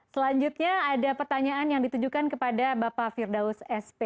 selanjutnya ada pertanyaan yang ditujukan kepada bapak firdaus sp